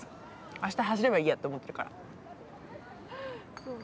明日走ればいいやって思ってるから。